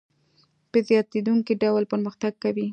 په زیاتېدونکي ډول پرمختګ کوي